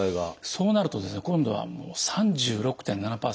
そうなるとですね今度は３６．７％